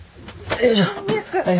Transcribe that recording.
よいしょ。